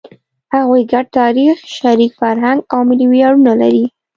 هغوی ګډ تاریخ، شریک فرهنګ او ملي ویاړونه لري.